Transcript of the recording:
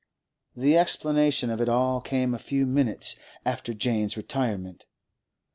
The explanation of it all came a few minutes after Jane's retirement.